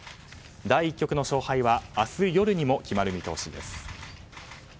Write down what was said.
第１局の勝敗は明日夜にも決まる見通しです。